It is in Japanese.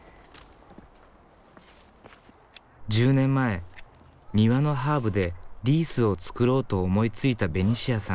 １０年前庭のハーブでリースを作ろうと思いついたベニシアさん。